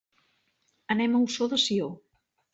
Anem a Ossó de Sió.